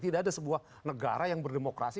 tidak ada sebuah negara yang berdemokrasi